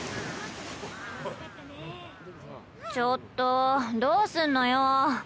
ちょっとどうすんのよ。